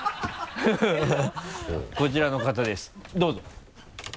こちらの方ですどうぞ。